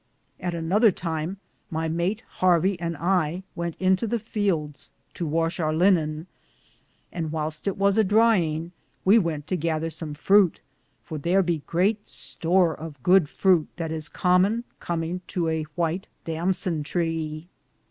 An other time my mate Harvie and I wente into the feeldes to washe our lininge, and, whylste it was a driinge, we went to gather some fruite, for thar be great store of good frute that is comon, cominge to a whyte Damson tre.